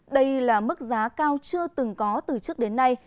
đây là mức giá cao chưa từng có từ trước đến nay